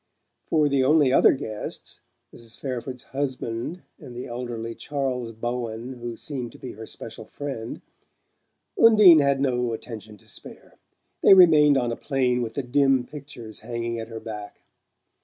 For the only other guests Mrs. Fairford's husband, and the elderly Charles Bowen who seemed to be her special friend Undine had no attention to spare: they remained on a plane with the dim pictures hanging at her back.